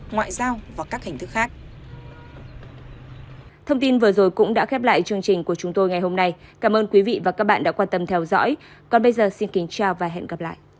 ngoại giao và các hình thức khác